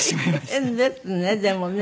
大変ですねでもね。